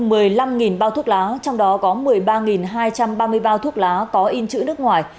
một lô hàng gồm hơn một mươi năm bao thuốc lá trong đó có một mươi ba hai trăm ba mươi bao thuốc lá có in chữ nước ngoài